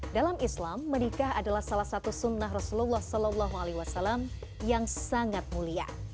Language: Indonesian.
dalam islam menikah adalah salah satu sunnah rasulullah saw yang sangat mulia